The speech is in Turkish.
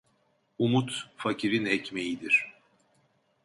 Umut fakirin ekmeğidir.